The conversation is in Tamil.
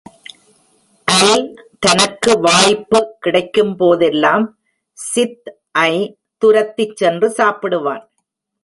அல், தனக்கு வாய்ப்பு கிடைக்கும்போதெல்லாம் சித்-ஐ, துரத்திச் சென்று சாப்பிடுவான்.